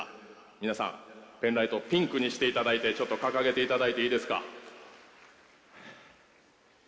皆さん、ペンライトをピンクにしていただいて掲げていただいていいですか？